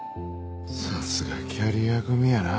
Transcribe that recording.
さすがキャリア組やな。